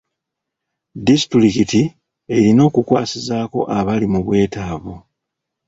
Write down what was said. Disitulikiti erina okukwasizaako abali mu bwetaavu.